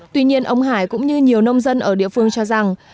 tuy nhiên ông hải cũng như nhiều nông dân ở địa phương cho rằng